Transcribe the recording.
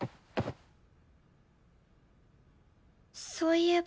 そういえば。